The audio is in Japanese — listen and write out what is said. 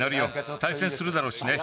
対戦するだろうしね。